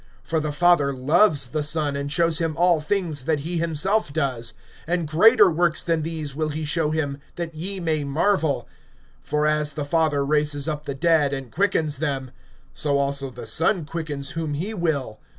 (20)For the Father loves the Son, and shows him all things that he himself does; and greater works than these will he show him, that ye may marvel. (21)For as the Father raises up the dead, and quickens them; so also the Son quickens whom he will.